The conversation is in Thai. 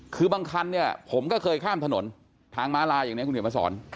คือบางคันเนี่ยผมก็เคยข้ามถนนทางม้าลายอย่างนี้คุณเขียนมาสอน